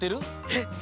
えっ？